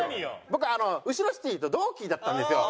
僕うしろシティと同期だったんですよ。